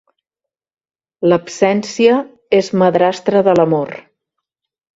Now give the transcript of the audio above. L'absència és madrastra de l'amor.